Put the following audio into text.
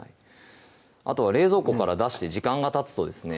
あとは冷蔵庫から出して時間がたつとですね